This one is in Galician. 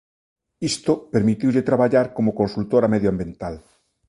Isto permitiulle traballar como consultora medioambiental.